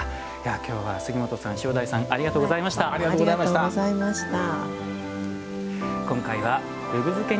きょうは杉本さん、塩鯛さんありがとうございました。